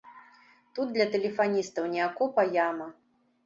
Тут для тэлефаністаў не акоп, а яма.